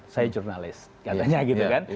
saya jurnalis katanya gitu kan